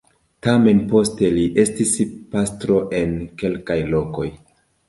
Tamen poste li estis pastro en kelkaj lokoj.